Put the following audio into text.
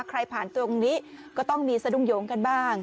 ใครผ่านตรงนี้ก็ต้องมีสะดุ้งโยงกันบ้าง